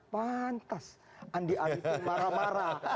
pantas andi arief pun marah marah